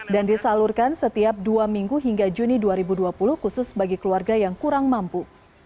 dan disalurkan setiap dua minggu hingga juni dua ribu dua puluh khusus bagi keluarga yang kurang mampu